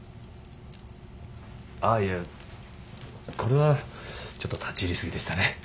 あいやこれはちょっと立ち入り過ぎでしたね。